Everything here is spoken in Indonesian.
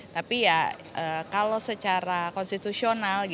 tapi ya kalau secara konstitusional